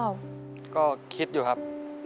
สวัสดีครับน้องเล่จากจังหวัดพิจิตรครับ